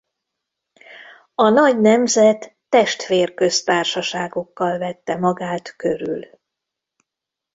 A Nagy Nemzet testvér-köztársaságokkal vette magát körül.